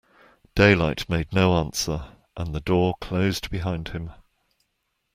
Daylight made no answer, and the door closed behind him.